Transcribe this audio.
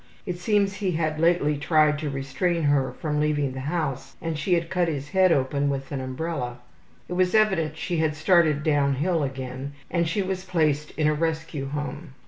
It seems he had lately tried to restrain her from leaving the house and she had cut his head open with an umbrella. It was evident she had started downhill again, and she was placed in a Rescue Home.